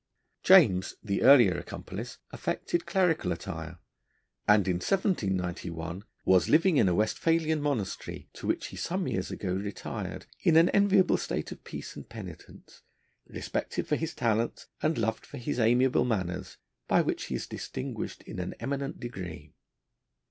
James, the earlier accomplice affected clerical attire, and in 1791 'was living in a Westphalian monastery, to which he some years ago retired, in an enviable state of peace and penitence, respected for his talents, and loved for his amiable manners, by which he is distinguished in an eminent degree.'